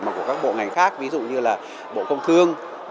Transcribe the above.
mà của các bộ ngành khác ví dụ như là bộ công thương